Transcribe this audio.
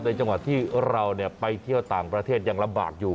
จังหวะที่เราไปเที่ยวต่างประเทศยังลำบากอยู่